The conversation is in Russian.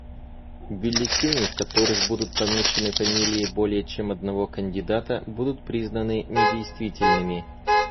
Бюллетени, в которых будут помечены фамилии более чем одного кандидата, будут признаны недействительными.